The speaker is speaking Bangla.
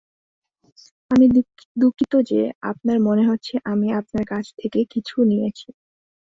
আমি দুঃখিত যে আপনার মনে হচ্ছে আমি আপনার কাছ থেকে কিছু নিয়েছি।